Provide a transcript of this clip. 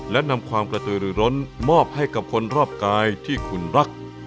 และนำความกระตือหรือร้นมอบให้กับคนรอบกายที่คุณรัก